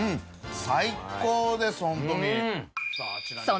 最高ですホントに。